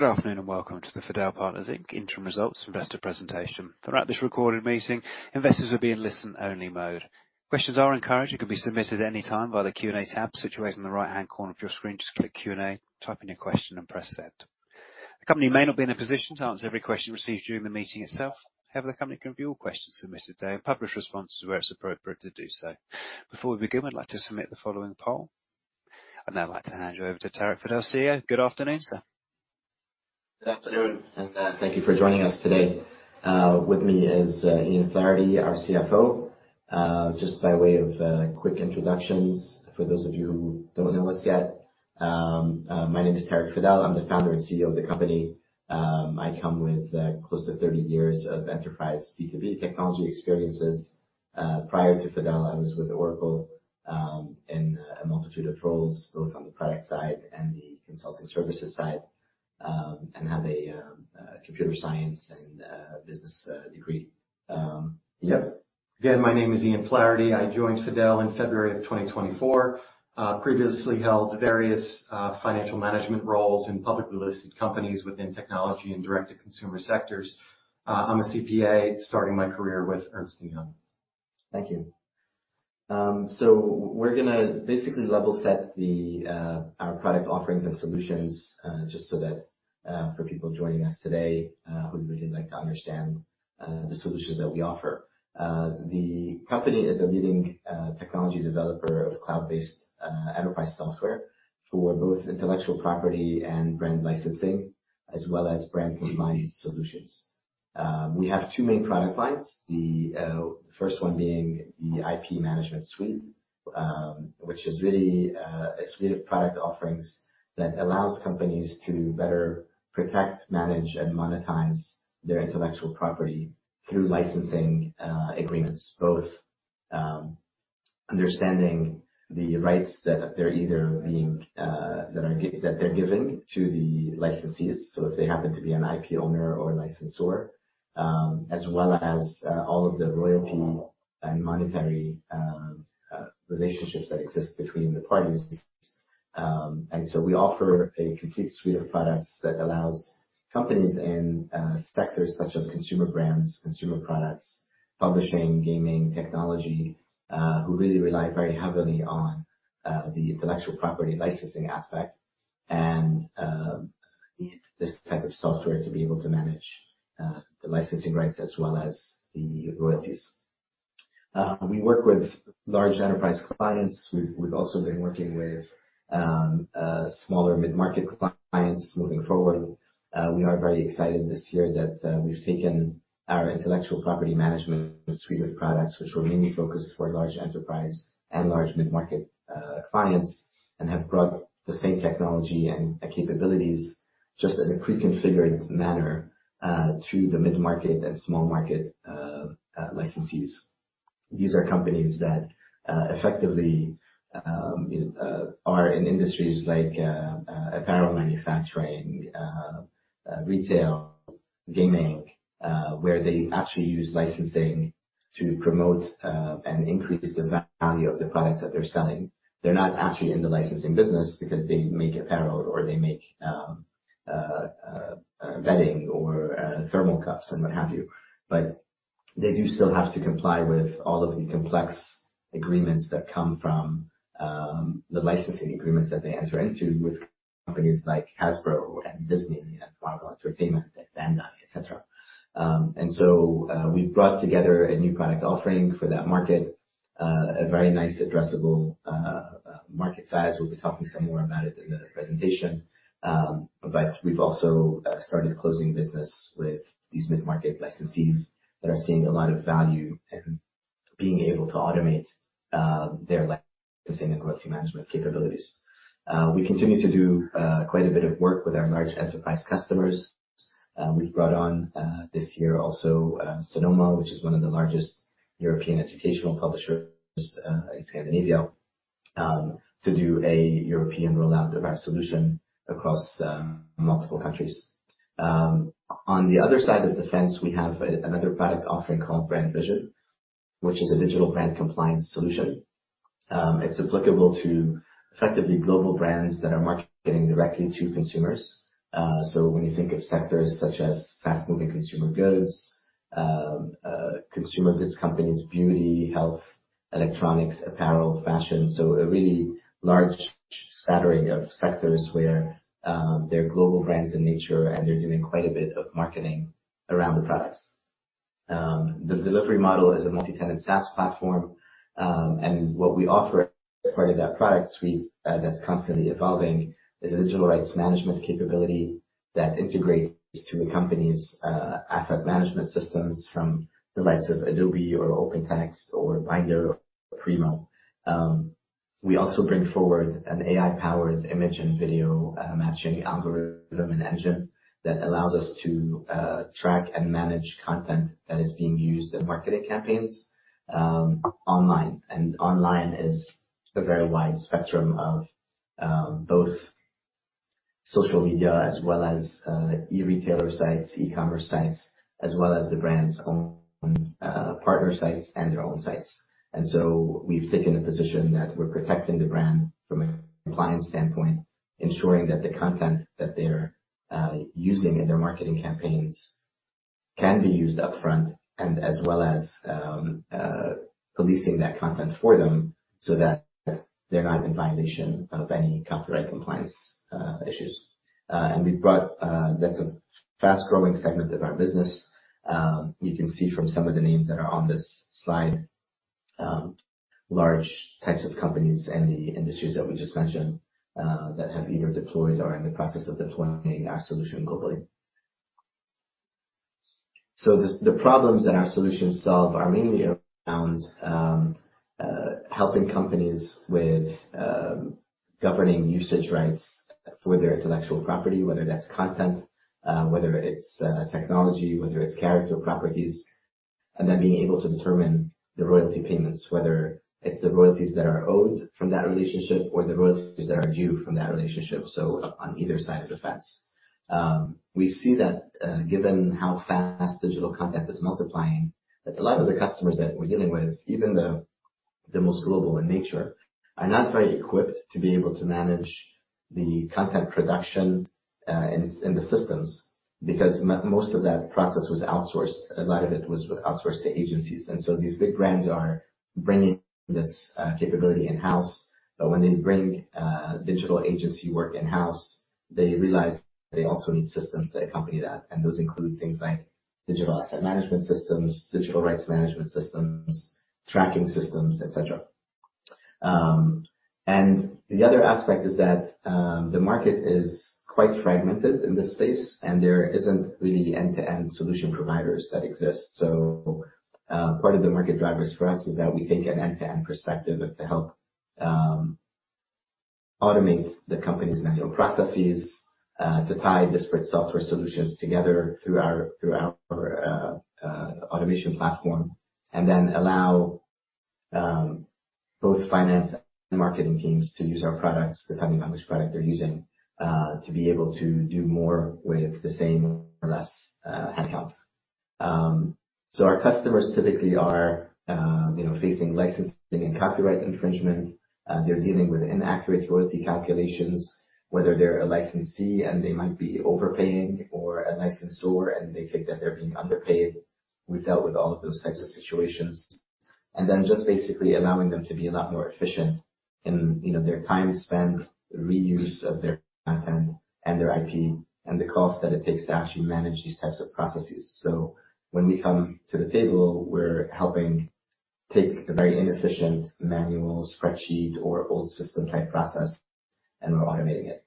Good afternoon, and welcome to the Fadel Partners Inc. Interim Results Investor Presentation. Throughout this recorded meeting, investors will be in listen-only mode. Questions are encouraged and can be submitted at any time by the Q and A tab situated in the right-hand corner of your screen. Just click Q and A, type in your question, and press Send. The company may not be in a position to answer every question received during the meeting itself. However, the company can review all questions submitted today and publish responses where it's appropriate to do so. Before we begin, we'd like to submit the following poll. I'd now like to hand you over to Tarek Fadel, CEO. Good afternoon, sir. Good afternoon, and thank you for joining us today. With me is Ian Flaherty, our CFO. Just by way of quick introductions, for those of you who don't know us yet, my name is Tarek Fadel. I'm the founder and CEO of the company. I come with close to thirty years of enterprise B2B technology experiences. Prior to Fadel, I was with Oracle, in a multitude of roles, both on the product side and the consulting services side, and have a computer science and business degree. Yep. Again, my name is Ian Flaherty. I joined Fadel in February, 2024. Previously held various financial management roles in publicly listed companies within technology and direct-to-consumer sectors. I'm a CPA, starting my career with Ernst & Young. Thank you. So we're gonna basically level set our product offerings and solutions, just so that for people joining us today who'd really like to understand the solutions that we offer. The company is a leading technology developer of cloud-based enterprise software for both intellectual property and brand licensing, as well as brand compliance solutions. We have two main product lines, the first one being the IP Management Suite, which is really a suite of product offerings that allows companies to better protect, manage, and monetize their intellectual property through licensing agreements. Both, understanding the rights that they're giving to the licensees, so if they happen to be an IP owner or licensor, as well as all of the royalty and monetary relationships that exist between the parties. And so we offer a complete suite of products that allows companies in sectors such as consumer brands, consumer products, publishing, gaming, technology, who really rely very heavily on the intellectual property licensing aspect and this type of software to be able to manage the licensing rights as well as the royalties. We work with large enterprise clients. We've also been working with smaller mid-market clients moving forward. We are very excited this year that we've taken our intellectual property management suite of products, which were mainly focused for large enterprise and large mid-market clients, and have brought the same technology and capabilities, just in a pre-configured manner, to the mid-market and small market licensees. These are companies that effectively are in industries like apparel manufacturing, retail, gaming, where they actually use licensing to promote and increase the value of the products that they're selling. They're not actually in the licensing business because they make apparel or they make bedding or thermal cups and what have you. But they do still have to comply with all of the complex agreements that come from the licensing agreements that they enter into with companies like Hasbro and Disney and Marvel Entertainment and Bandai, et cetera. And so we've brought together a new product offering for that market, a very nice addressable market size. We'll be talking some more about it in the presentation. But we've also started closing business with these mid-market licensees that are seeing a lot of value in being able to automate their licensing and royalty management capabilities. We continue to do quite a bit of work with our large enterprise customers. We've brought on this year also Sanoma, which is one of the largest European educational publishers in Scandinavia, to do a European rollout of our solution across multiple countries. On the other side of the fence, we have another product offering called Brand Vision, which is a digital brand compliance solution. It's applicable to effectively global brands that are marketing directly to consumers. So when you think of sectors such as fast-moving consumer goods, consumer goods companies, beauty, health, electronics, apparel, fashion, so a really large smattering of sectors where they're global brands in nature, and they're doing quite a bit of marketing around the products. The delivery model is a multi-tenant SaaS platform, and what we offer as part of that product suite, that's constantly evolving, is a digital rights management capability that integrates to the company's asset management systems from the likes of Adobe or Open Text or Bynder or Aprimo. We also bring forward an AI-powered image and video matching algorithm and engine that allows us to track and manage content that is being used in marketing campaigns online, and online is a very wide spectrum of both social media as well as e-retailer sites, e-commerce sites, as well as the brand's own partner sites and their own sites, and so we've taken a position that we're protecting the brand from a compliance standpoint, ensuring that the content that they're using in their marketing campaigns... Can be used upfront and as well as policing that content for them so that they're not in violation of any copyright compliance issues. That's a fast-growing segment of our business. You can see from some of the names that are on this slide, large types of companies and the industries that we just mentioned, that have either deployed or are in the process of deploying our solution globally. So the problems that our solutions solve are mainly around helping companies with governing usage rights for their intellectual property, whether that's content, whether it's technology, whether it's character properties, and then being able to determine the royalty payments, whether it's the royalties that are owed from that relationship or the royalties that are due from that relationship, so on either side of the fence. We see that, given how fast digital content is multiplying, that a lot of the customers that we're dealing with, even the most global in nature, are not very equipped to be able to manage the content production in the systems, because most of that process was outsourced. A lot of it was outsourced to agencies. And so these big brands are bringing this capability in-house. But when they bring digital agency work in-house, they realize they also need systems to accompany that, and those include things like digital asset management systems, digital rights management systems, tracking systems, et cetera, and the other aspect is that the market is quite fragmented in this space, and there isn't really end-to-end solution providers that exist, so part of the market drivers for us is that we take an end-to-end perspective to help automate the company's manual processes to tie disparate software solutions together through our automation platform, and then allow both finance and marketing teams to use our products, depending on which product they're using, to be able to do more with the same or less headcount, so our customers typically are, you know, facing licensing and copyright infringement. They're dealing with inaccurate royalty calculations, whether they're a licensee, and they might be overpaying, or a licensor, and they think that they're being underpaid. We've dealt with all of those types of situations, and then just basically allowing them to be a lot more efficient in, you know, their time spent, the reuse of their content and their IP, and the cost that it takes to actually manage these types of processes, so when we come to the table, we're helping take a very inefficient manual spreadsheet or old system-type process, and we're automating it.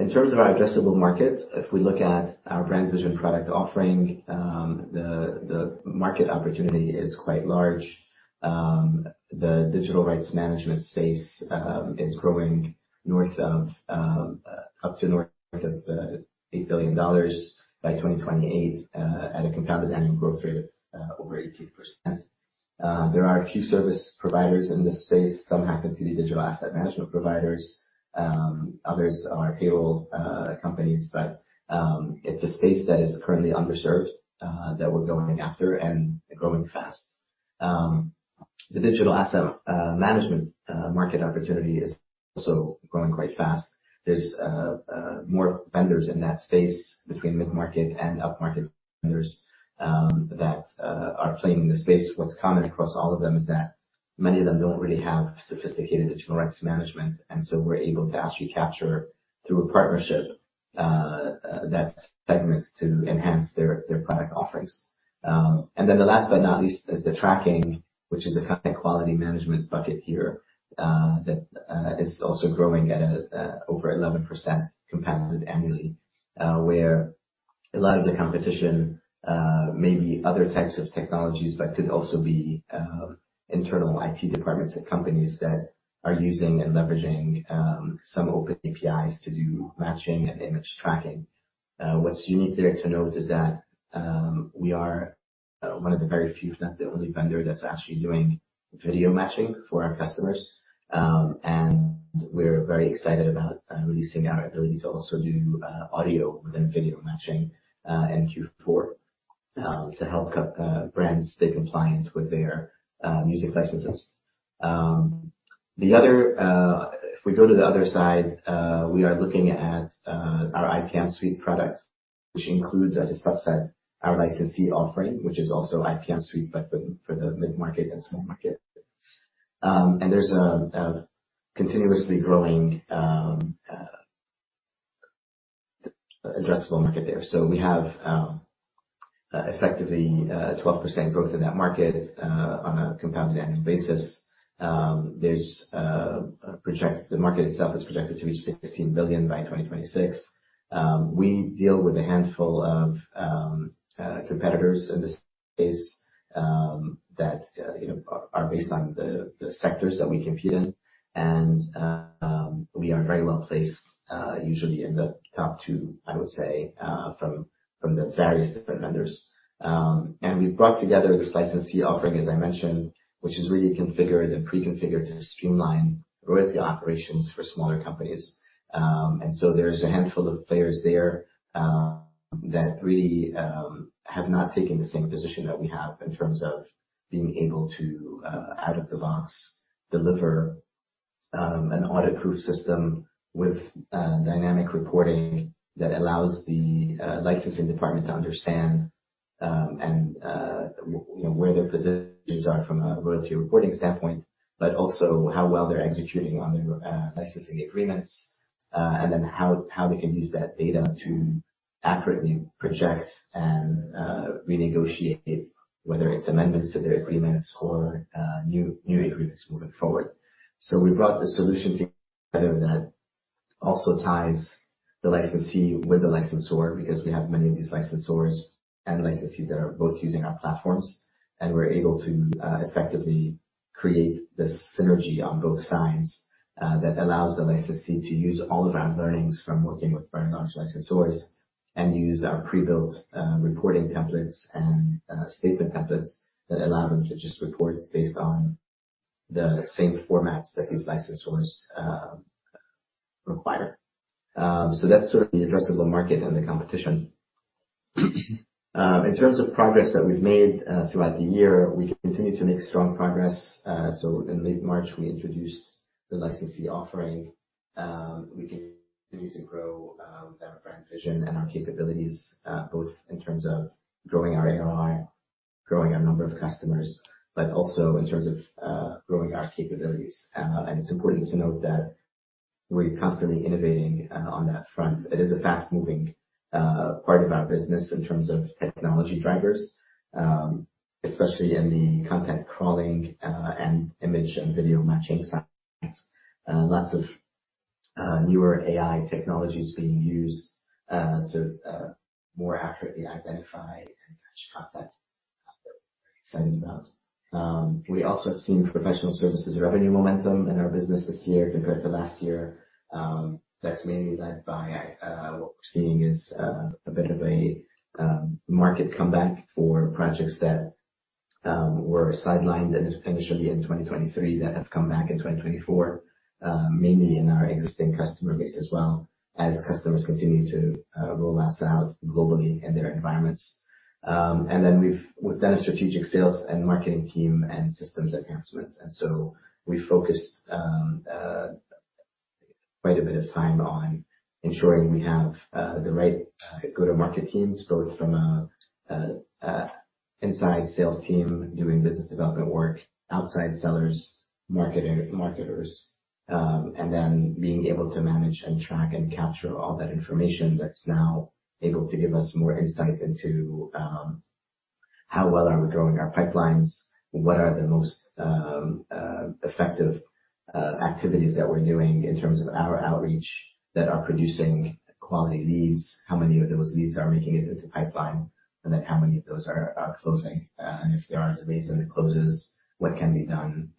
In terms of our addressable market, if we look at our Brand Vision product offering, the market opportunity is quite large. The digital rights management space is growing up to north of $8 billion by 2028 at a compounded annual growth rate of over 18%. There are a few service providers in this space. Some happen to be digital asset management providers, others are payroll companies, but it's a space that is currently underserved that we're going after and growing fast. The digital asset management market opportunity is also growing quite fast. There's more vendors in that space between mid-market and upmarket vendors that are playing in the space. What's common across all of them is that many of them don't really have sophisticated digital rights management, and so we're able to actually capture, through a partnership, that segment to enhance their product offerings. And then the last but not least is the tracking, which is the content quality management bucket here, that is also growing at over 11% compounded annually. Where a lot of the competition may be other types of technologies, but could also be internal IT departments at companies that are using and leveraging some open APIs to do matching and image tracking. What's unique there to note is that we are one of the very few, if not the only vendor, that's actually doing video matching for our customers. And we're very excited about releasing our ability to also do audio within video matching in Q4 to help brands stay compliant with their music licenses. The other if we go to the other side, we are looking at our IPM suite product, which includes as a subset our licensee offering, which is also IPM suite, but for the mid-market and small market. There's a continuously growing addressable market there. So we have effectively 12% growth in that market on a compounded annual basis. The market itself is projected to reach $16 billion by 2026. We deal with a handful of competitors in this space that you know are based on the sectors that we compete in. We are very well placed, usually in the top two, I would say, from the various different vendors. And we've brought together this licensee offering, as I mentioned, which is really configured and preconfigured to streamline royalty operations for smaller companies. And so there's a handful of players there that really have not taken the same position that we have in terms of being able to out of the box deliver an audit-proof system with dynamic reporting that allows the licensing department to understand and you know where their positions are from a royalty reporting standpoint, but also how well they're executing on their licensing agreements and then how they can use that data to accurately project and renegotiate, whether it's amendments to their agreements or new agreements moving forward. So we brought the solution together that also ties the licensee with the licensor, because we have many of these licensors and licensees that are both using our platforms, and we're able to effectively create the synergy on both sides that allows the licensee to use all of our learnings from working with licensors, and use our pre-built reporting templates and statement templates that allow them to just report based on the same formats that these licensors require. So that's sort of the addressable market and the competition. In terms of progress that we've made throughout the year, we continue to make strong progress. So in late March, we introduced the licensee offering. We continue to grow our Brand Vision and our capabilities, both in terms of growing our ARR, growing our number of customers, but also in terms of growing our capabilities. And it's important to note that we're constantly innovating on that front. It is a fast-moving part of our business in terms of technology drivers, especially in the content crawling and image and video matching sides. Lots of newer AI technologies being used to more accurately identify and match content that we're excited about. We also have seen professional services revenue momentum in our business this year compared to last year. That's mainly led by what we're seeing is a bit of a market comeback for projects that were sidelined initially in twenty twenty-three, that have come back in twenty twenty-four, mainly in our existing customer base, as well as customers continuing to roll us out globally in their environments. And then we've done a strategic sales and marketing team and systems enhancement, and so we focused quite a bit of time on ensuring we have the right go-to-market teams, both from an inside sales team doing business development work, outside sellers, marketers, and then being able to manage and track and capture all that information that's now able to give us more insight into how well are we growing our pipelines? What are the most effective activities that we're doing in terms of our outreach that are producing quality leads? How many of those leads are making it into the pipeline? And then how many of those are closing? And if there aren't leads and it closes, what can be done,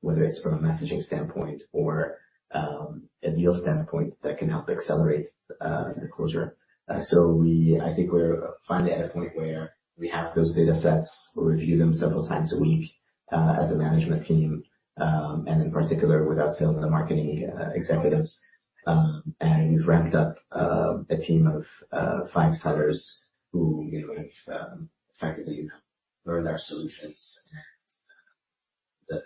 whether it's from a messaging standpoint or a deal standpoint, that can help accelerate the closure. So I think we're finally at a point where we have those data sets. We review them several times a week, as a management team, and in particular, with our sales and marketing executives. And we've ramped up a team of five sellers who, you know, have effectively learned our solutions, and the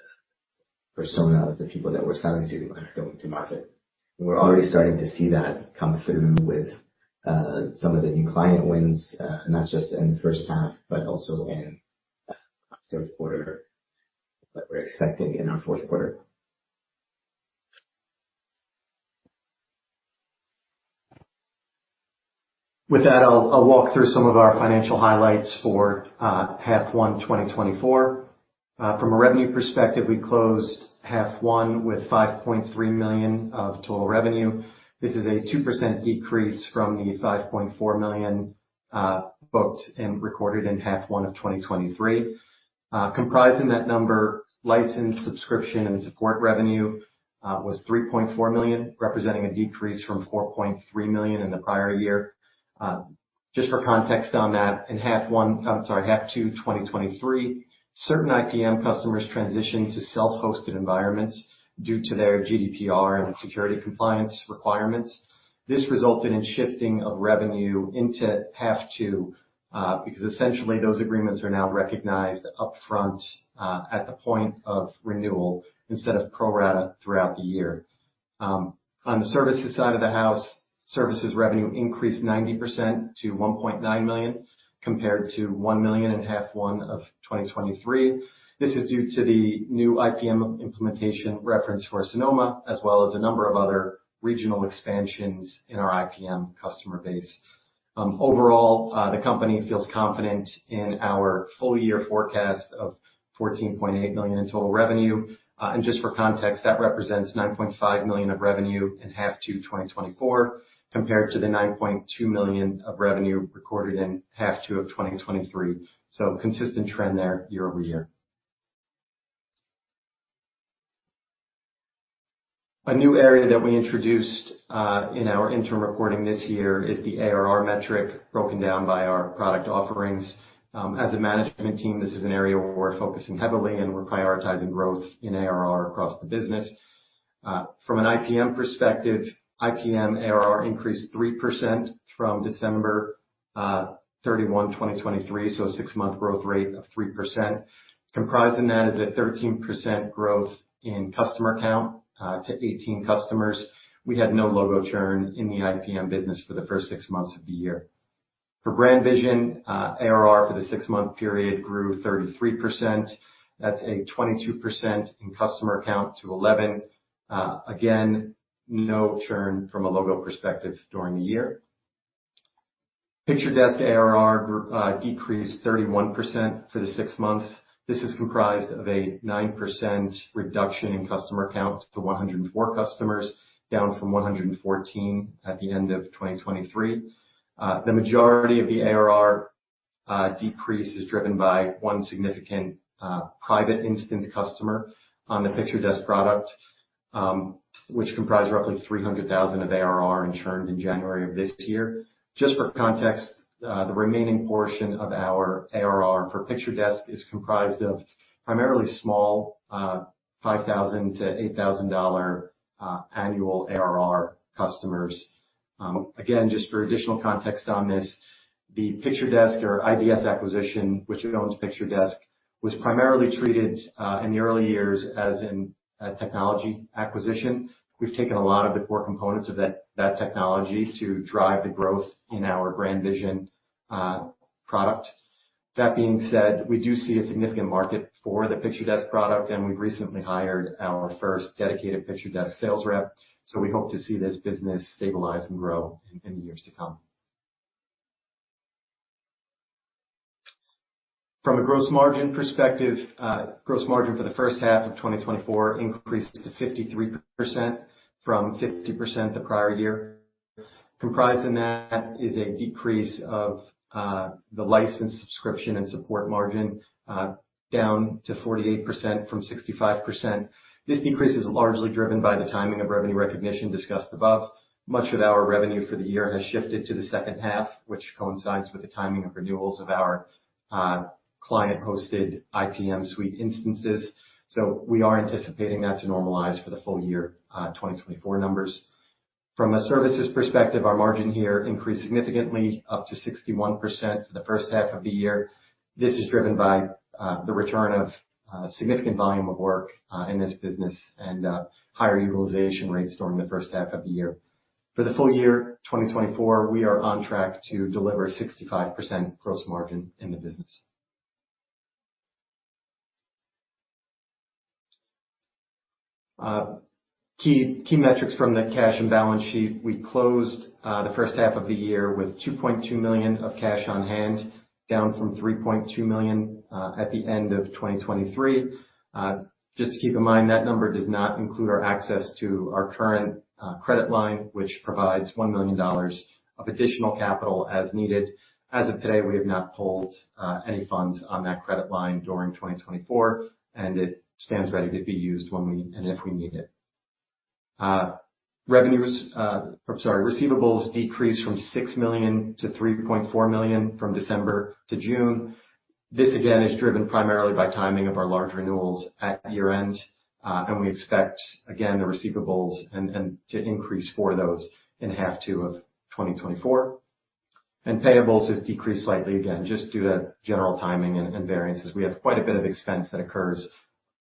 persona of the people that we're selling to are going to market. We're already starting to see that come through with some of the new client wins, not just in the first half, but also in the third quarter that we're expecting in our fourth quarter. With that, I'll walk through some of our financial highlights for half one 2024. From a revenue perspective, we closed half one with $5.3 million of total revenue. This is a 2% decrease from the $5.4 million booked and recorded in half one of 2023. Comprising that number, license, subscription, and support revenue was $3.4 million, representing a decrease from $4.3 million in the prior year. Just for context on that, in half two 2023, certain IPM customers transitioned to self-hosted environments due to their GDPR and security compliance requirements. This resulted in shifting of revenue into half two, because essentially, those agreements are now recognized upfront at the point of renewal instead of pro rata throughout the year. On the services side of the house, services revenue increased 90% to $1.9 million, compared to $1 million in half one of 2023. This is due to the new IPM implementation reference for Sanoma, as well as a number of other regional expansions in our IPM customer base. Overall, the company feels confident in our full year forecast of $14.8 million in total revenue. And just for context, that represents $9.5 million of revenue in half two 2024, compared to the $9.2 million of revenue recorded in half two of 2023. So consistent trend there year over year. A new area that we introduced in our interim reporting this year is the ARR metric, broken down by our product offerings. As a management team, this is an area where we're focusing heavily, and we're prioritizing growth in ARR across the business. From an IPM perspective, IPM ARR increased 3% from December thirty-one, 2023, so a six-month growth rate of 3%. Comprised in that is a 13% growth in customer count to 18 customers. We had no logo churn in the IPM business for the first six months of the year. For Brand Vision, ARR for the six-month period grew 33%. That's a 22% in customer count to 11. Again, no churn from a logo perspective during the year. PictureDesk ARR decreased 31% for the six months. This is comprised of a 9% reduction in customer count to 104 customers, down from 114 at the end of 2023. The majority of the ARR decrease is driven by one significant private instance customer on the PictureDesk product, which comprised roughly $300,000 of ARR and churned in January of this year. Just for context, the remaining portion of our ARR for PictureDesk is comprised of primarily small $5,000-$8,000 annual ARR customers. Again, just for additional context on this, the PictureDesk or IDS acquisition, which owns PictureDesk, was primarily treated in the early years as a technology acquisition. We've taken a lot of the core components of that technology to drive the growth in our Brand Vision product. That being said, we do see a significant market for the PictureDesk product, and we've recently hired our first dedicated PictureDesk sales rep. So we hope to see this business stabilize and grow in the years to come. From a gross margin perspective, gross margin for the first half of 2024 increased to 53% from 50% the prior year. Comprised in that is a decrease of the license, subscription, and support margin down to 48% from 65%. This decrease is largely driven by the timing of revenue recognition discussed above. Much of our revenue for the year has shifted to the second half, which coincides with the timing of renewals of our client-hosted IPM suite instances. So we are anticipating that to normalize for the full year 2024 numbers. From a services perspective, our margin here increased significantly, up to 61% for the first half of the year. This is driven by the return of significant volume of work in this business and higher utilization rates during the first half of the year. For the full year, 2024, we are on track to deliver 65% gross margin in the business. Key metrics from the cash and balance sheet. We closed the first half of the year with $2.2 million of cash on hand, down from $3.2 million at the end of 2023. Just keep in mind, that number does not include our access to our current credit line, which provides $1 million of additional capital as needed. As of today, we have not pulled any funds on that credit line during 2024, and it stands ready to be used when we, and if we need it. Revenues, or sorry, receivables decreased from $6 million to $3.4 million from December to June. This, again, is driven primarily by timing of our large renewals at year-end. And we expect, again, the receivables and to increase for those in half two of 2024. Payables has decreased slightly, again, just due to general timing and variances. We have quite a bit of expense that occurs,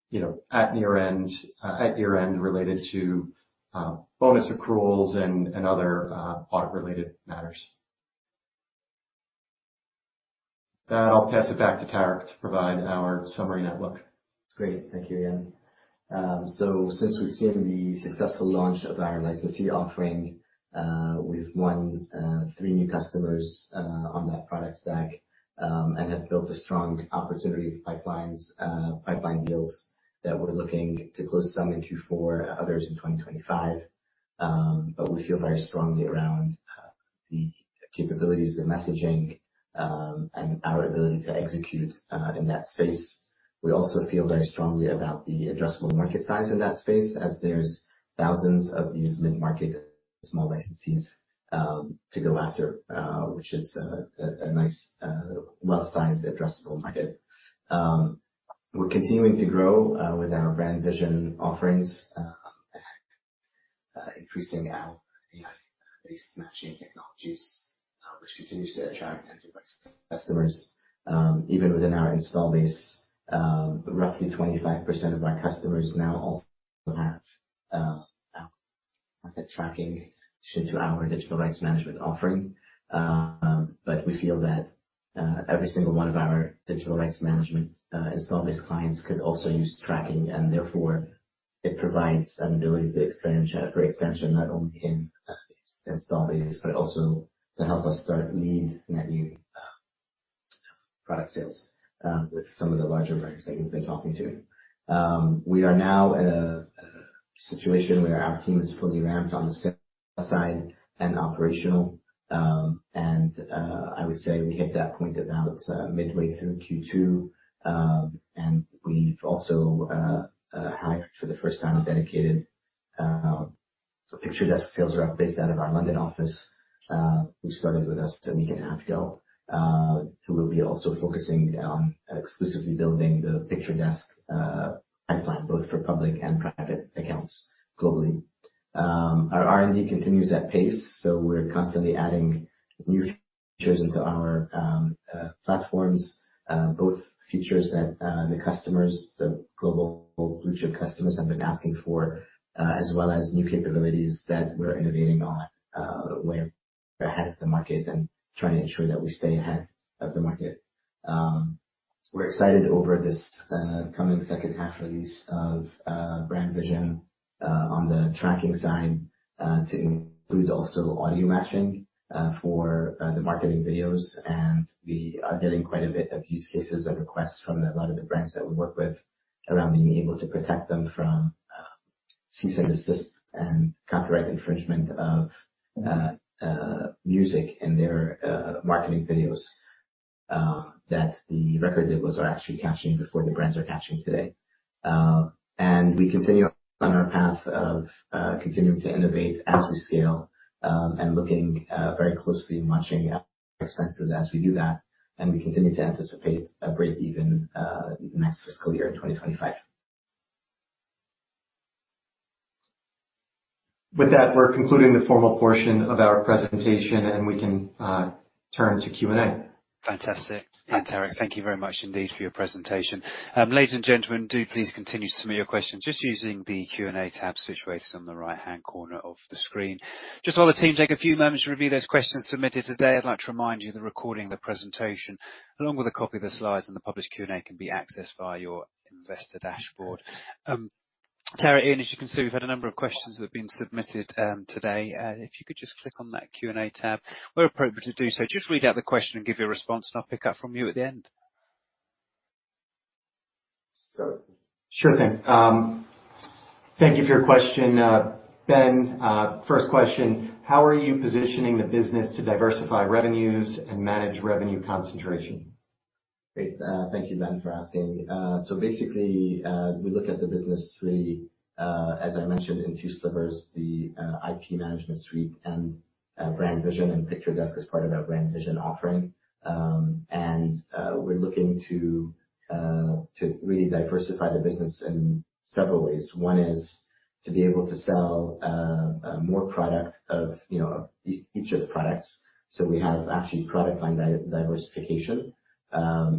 you know, at year-end, related to bonus accruals and other audit-related matters. I'll pass it back to Tarek to provide our summary and outlook. Great. Thank you, Ian. So since we've seen the successful launch of our licensee offering, we've won three new customers on that product stack and have built a strong opportunity pipeline deals that we're looking to close some in Q4, others in twenty twenty-five. But we feel very strongly around the capabilities, the messaging, and our ability to execute in that space. We also feel very strongly about the addressable market size in that space, as there's thousands of these mid-market, small licensees to go after, which is a nice well-sized addressable market. We're continuing to grow with our Brand Vision offerings and increasing our AI-based matching technologies, which continues to attract new customers even within our install base. Roughly 25% of our customers now also have the tracking into our digital rights management offering. But we feel that every single one of our digital rights management install base clients could also use tracking, and therefore it provides an ability to expand, for expansion, not only in install base, but also to help us start lead net new product sales with some of the larger brands that we've been talking to. We are now at a situation where our team is fully ramped on the sales side and operational. And I would say we hit that point about midway through Q2. And we've also hired for the first time a dedicated PictureDesk sales rep based out of our London office who started with us a week and a half ago... who will be also focusing on exclusively building the PictureDesk pipeline, both for public and private accounts globally. Our R&D continues at pace, so we're constantly adding new features into our platforms. Both features that the customers, the global group of customers have been asking for, as well as new capabilities that we're innovating on, we're ahead of the market and trying to ensure that we stay ahead of the market. We're excited over this coming second half release of Brand Vision on the tracking side to include also audio matching for the marketing videos. And we are getting quite a bit of use cases and requests from a lot of the brands that we work with around being able to protect them from cease and desist and copyright infringement of music in their marketing videos that the record labels are actually catching before the brands are catching today. And we continue on our path of continuing to innovate as we scale, and looking very closely and watching expenses as we do that. And we continue to anticipate a break even next fiscal year, in 2025. With that, we're concluding the formal portion of our presentation, and we can turn to Q and A. Fantastic! And, Tarek, thank you very much indeed for your presentation. Ladies and gentlemen, do please continue to submit your questions just using the Q and A tab situated on the right-hand corner of the screen. Just while the team take a few moments to review those questions submitted today, I'd like to remind you the recording of the presentation, along with a copy of the slides and the published Q and A, can be accessed via your investor dashboard. Tarek, as you can see, we've had a number of questions that have been submitted, today. If you could just click on that Q and A tab, where appropriate to do so, just read out the question and give your response, and I'll pick up from you at the end. Sure thing. Thank you for your question, Ben. First question: how are you positioning the business to diversify revenues and manage revenue concentration? Great. Thank you, Ben, for asking. So basically, we look at the business really, as I mentioned in two slivers, the IP Management Suite and Brand Vision, and PictureDesk is part of our Brand Vision offering, and we're looking to really diversify the business in several ways. One is to be able to sell more product of, you know, each of the products. So we have actually product line diversification,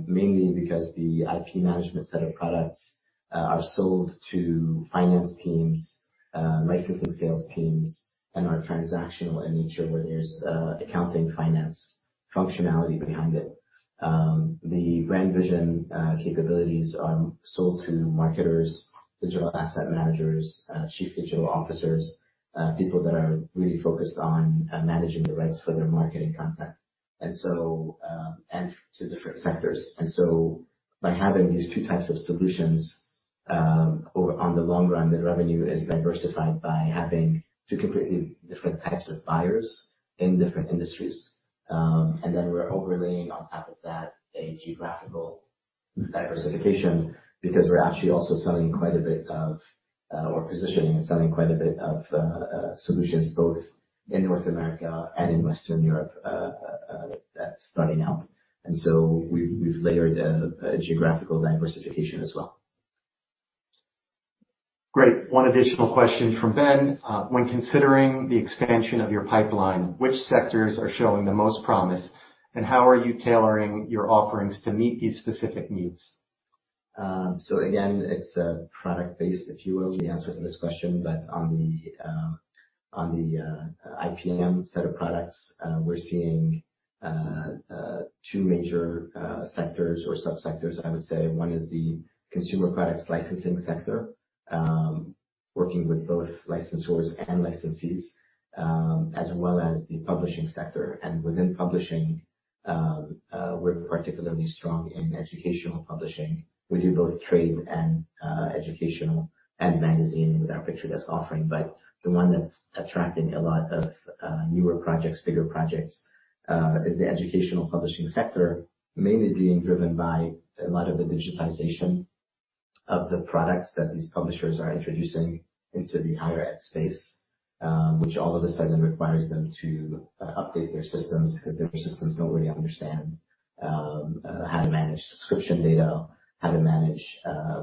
mainly because the IP Management Suite set of products are sold to finance teams, licensing sales teams, and are transactional in nature, where there's accounting finance functionality behind it. The Brand Vision capabilities are sold to marketers, digital asset managers, chief digital officers, people that are really focused on managing the rights for their marketing content, and so and to different sectors. And so by having these two types of solutions, over on the long run, the revenue is diversified by having two completely different types of buyers in different industries. And then we're overlaying on top of that a geographical diversification, because we're actually also positioning and selling quite a bit of solutions both in North America and in Western Europe, that's starting out. And so we've layered a geographical diversification as well. Great. One additional question from Ben: When considering the expansion of your pipeline, which sectors are showing the most promise, and how are you tailoring your offerings to meet these specific needs? So again, it's a product-based, if you will, the answer to this question, but on the IPM set of products, we're seeing two major sectors or subsectors, I would say. One is the consumer products licensing sector, working with both licensors and licensees, as well as the publishing sector, and within publishing, we're particularly strong in educational publishing. We do both trade and educational and magazine with our PictureDesk offering, but the one that's attracting a lot of newer projects, bigger projects, is the educational publishing sector, mainly being driven by a lot of the digitization of the products that these publishers are introducing into the higher ed space. Which all of a sudden requires them to update their systems, because their systems don't really understand how to manage subscription data, how to manage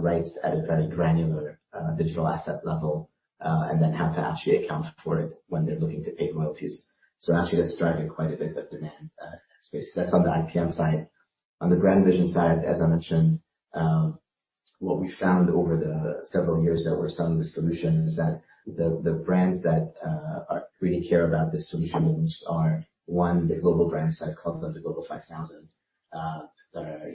rights at a very granular digital asset level, and then how to actually account for it when they're looking to pay royalties. So actually, that's driving quite a bit of demand in that space. That's on the IPM side. On the Brand Vision side, as I mentioned, what we found over the several years that we're selling this solution, is that the brands that are really care about the solutions are, one, the global brands, I call them the Global Five Thousand, that are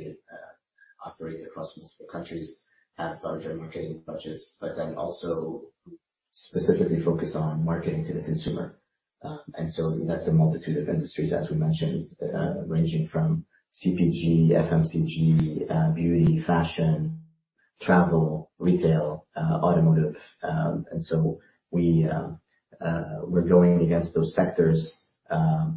operate across multiple countries, have larger marketing budgets, but then also specifically focus on marketing to the consumer. And so that's a multitude of industries, as we mentioned, ranging from CPG, FMCG, beauty, fashion, travel, retail, automotive. And so we're going against those sectors.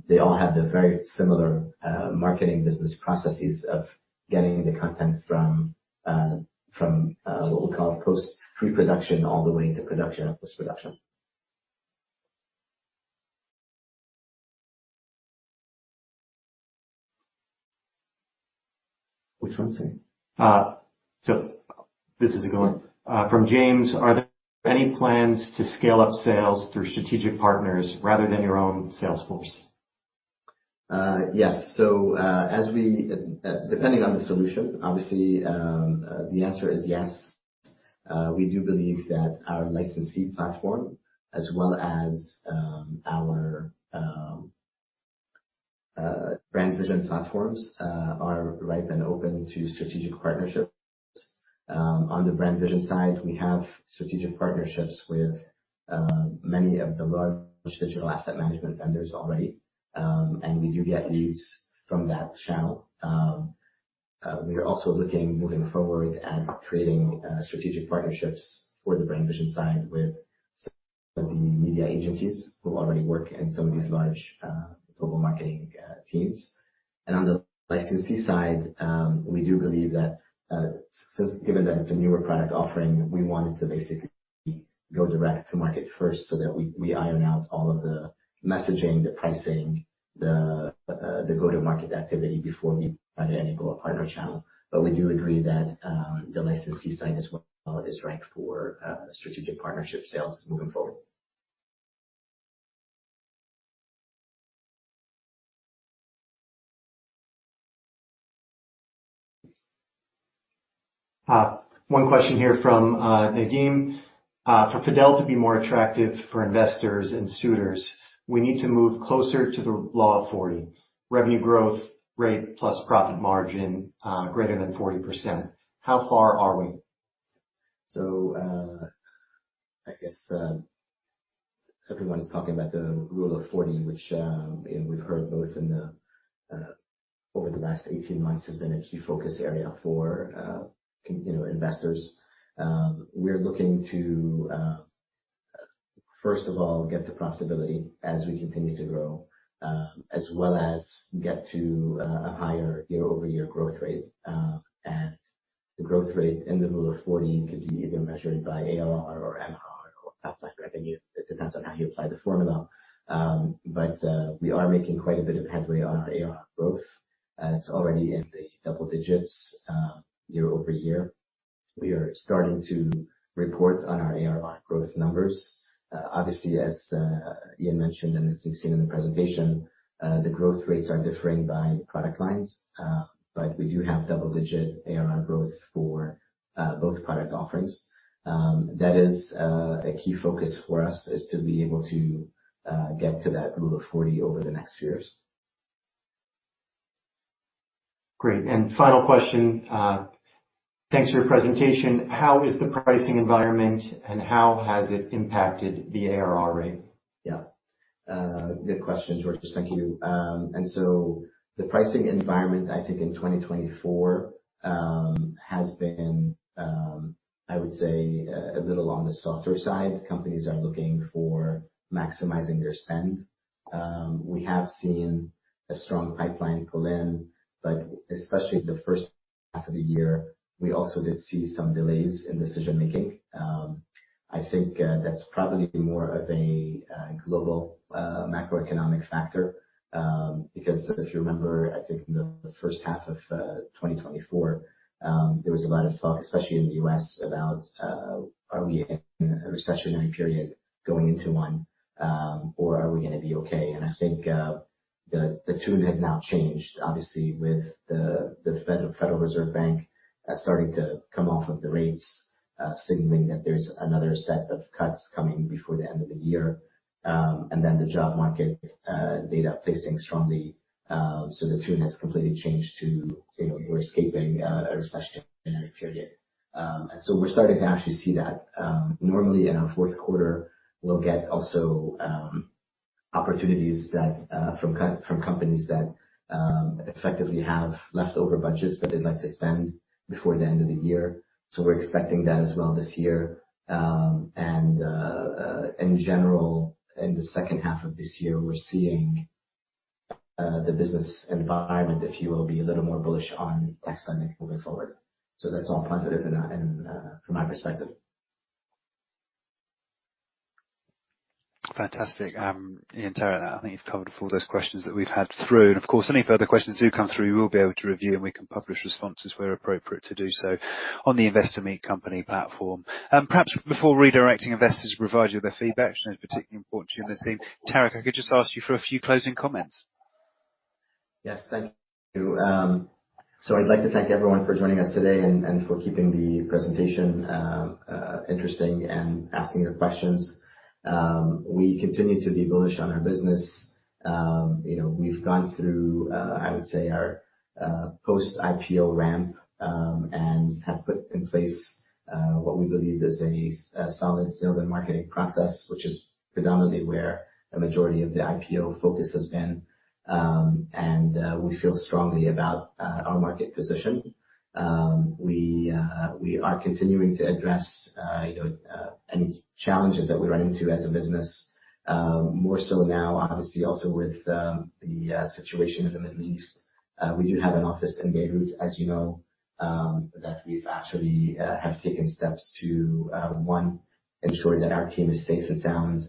They all have the very similar marketing business processes of getting the content from what we call post pre-production, all the way into production and post-production. Which one, sorry? So this is a good one. From James: Are there any plans to scale up sales through strategic partners rather than your own sales force? Yes. Depending on the solution, obviously, the answer is yes. We do believe that our licensee platform, as well as our Brand Vision platforms, are ripe and open to strategic partnerships. On the Brand Vision side, we have strategic partnerships with many of the large digital asset management vendors already, and we do get leads from that channel. We are also looking, moving forward, at creating strategic partnerships for the Brand Vision side with some of the media agencies who already work in some of these large global marketing teams. On the licensee side, we do believe that, given that it's a newer product offering, we wanted to basically go direct to market first, so that we iron out all of the messaging, the pricing, the go-to-market activity before we find any go-to-partner channel. But we do agree that, the licensee side as well is right for, strategic partnership sales moving forward. One question here from Nadeem: For Fadel to be more attractive for investors and suitors, we need to move closer to the Rule of 40, revenue growth rate plus profit margin greater than 40%. How far are we? So, I guess everyone is talking about the Rule of 40, which you know over the last eighteen months has been a key focus area for you know investors. We're looking to first of all get to profitability as we continue to grow as well as get to a higher year-over-year growth rate. The growth rate in the Rule of 40 could be either measured by ARR or MR or top-line revenue. It depends on how you apply the formula. We are making quite a bit of headway on our ARR growth, and it's already in the double digits year-over-year. We are starting to report on our ARR growth numbers. Obviously, as Ian mentioned, and as you've seen in the presentation, the growth rates are differing by product lines. But we do have double-digit ARR growth for both product offerings. That is a key focus for us, is to be able to get to that Rule of 40 over the next years. Great. And final question. Thanks for your presentation. How is the pricing environment, and how has it impacted the ARR rate? Yeah. Good question, George. Thank you. And so the pricing environment, I think, in twenty twenty-four, has been, I would say, a little on the softer side. Companies are looking for maximizing their spend. We have seen a strong pipeline pull in, but especially the first half of the year, we also did see some delays in decision-making. I think, that's probably more of a global macroeconomic factor, because if you remember, I think in the first half of 2024, there was a lot of talk, especially in the US, about, are we in a recessionary period, going into one, or are we gonna be okay? I think the tune has now changed, obviously, with the Federal Reserve Bank starting to come off of the rates, signaling that there's another set of cuts coming before the end of the year. And then the job market data placing strongly. So the tune has completely changed to, you know, we're escaping a recessionary period. And so we're starting to actually see that. Normally, in our fourth quarter, we'll get also opportunities that from companies that effectively have leftover budgets that they'd like to spend before the end of the year. So we're expecting that as well this year. And in general, in the second half of this year, we're seeing the business environment, if you will, be a little more bullish on expanding moving forward. So that's all positive from my perspective. Fantastic. Ian, Tarek, I think you've covered all those questions that we've had through. And of course, any further questions do come through, we will be able to review, and we can publish responses where appropriate to do so on the InvestorMeet Company platform. Perhaps before redirecting investors to provide you their feedback, I know it's particularly important to you and the team, Tarek, I could just ask you for a few closing comments. Yes, thank you. So I'd like to thank everyone for joining us today and for keeping the presentation interesting and asking your questions. We continue to be bullish on our business. You know, we've gone through, I would say, our post-IPO ramp and have put in place what we believe is a solid sales and marketing process, which is predominantly where the majority of the IPO focus has been. We feel strongly about our market position. We are continuing to address, you know, any challenges that we run into as a business, more so now, obviously, also with the situation in the Middle East. We do have an office in Beirut, as you know. That we've actually have taken steps to one ensure that our team is safe and sound.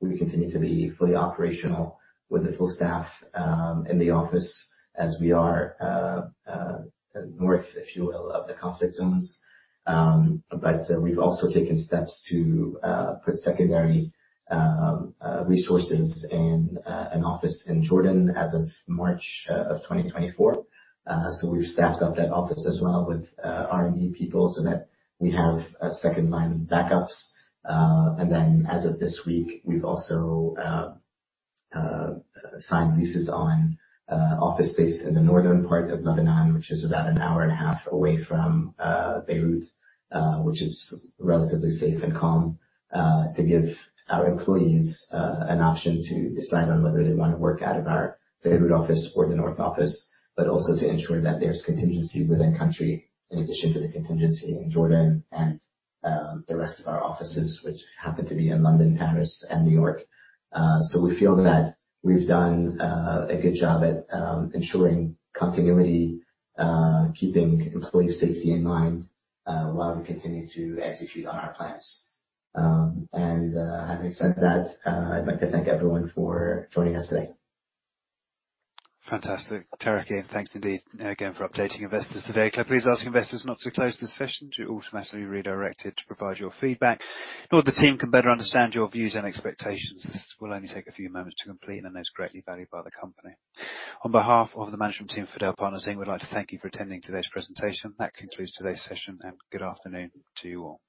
We continue to be fully operational with the full staff in the office as we are north, if you will, of the conflict zones, but we've also taken steps to put secondary resources in an office in Jordan as of March of 2024, so we've staffed up that office as well with our new people, so that we have a second line of backups. And then, as of this week, we've also signed leases on office space in the northern part of Lebanon, which is about an hour and a half away from Beirut, which is relatively safe and calm, to give our employees an option to decide on whether they want to work out of our Beirut office or the north office, but also to ensure that there's contingency within country, in addition to the contingency in Jordan and the rest of our offices, which happen to be in London, Paris, and New York. So we feel that we've done a good job at ensuring continuity, keeping employee safety in mind, while we continue to execute on our plans. And, having said that, I'd like to thank everyone for joining us today. Fantastic, Tarek, and thanks indeed again for updating investors today. Can I please ask investors not to close this session? You'll automatically be redirected to provide your feedback, so the team can better understand your views and expectations. This will only take a few moments to complete and is greatly valued by the company. On behalf of the management team, Fadel Partners Inc, we'd like to thank you for attending today's presentation. That concludes today's session, and good afternoon to you all.